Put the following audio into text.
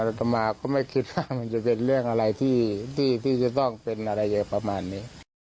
ต่อมาก็ไม่คิดว่ามันจะเป็นเรื่องอะไรที่จะต้องเป็นอะไรประมาณนี้